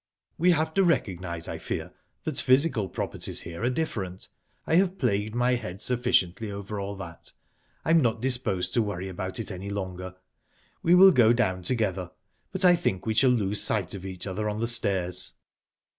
"We have to recognise, I fear, that physical properties here are different. I have plagued my head sufficiently over all that. I'm not disposed to worry about it any longer...We will go down together, but I think we shall lose sight of each other on the stairs."